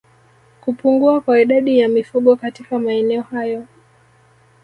Kupungua kwa idadi ya mifugo katika maeneo yao